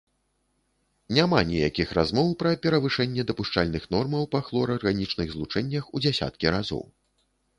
Няма ніякіх размоў пра перавышэнне дапушчальных нормаў па хлорарганічных злучэннях у дзясяткі разоў.